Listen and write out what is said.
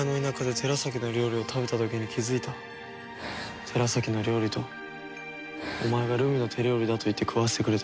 寺崎の料理とお前がルミの手料理だといって食わせてくれた料理